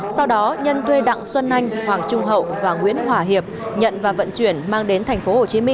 sau đó nhân thuê đặng xuân anh hoàng trung hậu và nguyễn hòa hiệp nhận và vận chuyển mang đến tp hcm